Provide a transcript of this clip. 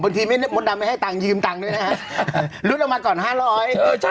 บางทีมดดำไม่ให้ตังค์ยืมตังค์ด้วยนะฮะ